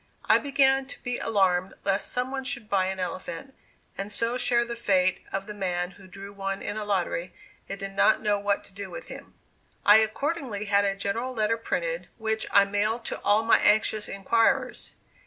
I began to be alarmed lest some one should buy an elephant, and so share the fate of the man who drew one in a lottery, and did not know what to do with him. I accordingly had a general letter printed, which I mailed to all my anxious inquirers.